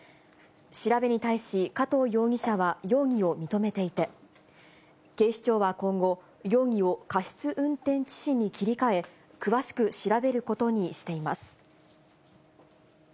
調べに対し加藤容疑者は容疑を認めていて、警視庁は今後、容疑を過失運転致死に切り替え、詳しく調べることにしています。